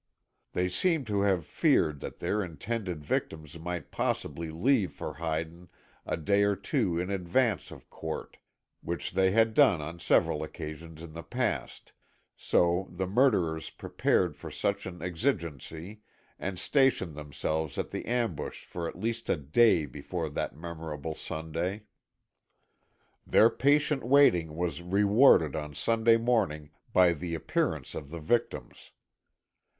They seemed to have feared that their intended victims might possibly leave for Hyden a day or two in advance of court, which they had done on several occasions in the past, so the murderers prepared for such an exigency and stationed themselves at the ambush for at least a day before that memorable Sunday. Their patient waiting was rewarded on Sunday morning by the appearance of the victims.